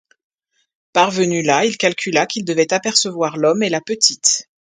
Parvenu là, il calcula qu'il devait apercevoir l'homme et la petite.